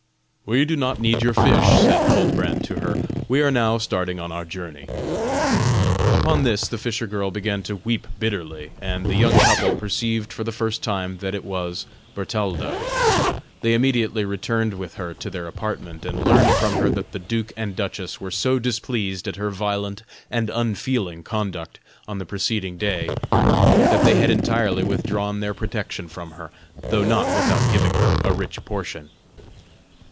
"We do not need your fish," said Huldbrand to her, "we are now starting on our journey." Upon this the fisher girl began to weep bitterly, and the young couple perceived for the first time that it was Bertalda. They immediately returned with her to their apartment, and learned from her that the duke and duchess were so displeased at her violent and unfeeling conduct on the preceding way, that they had entirely withdrawn their protection from her, though not without giving her a rich portion.